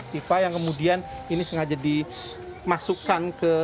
pipa yang kemudian ini sengaja dimasukkan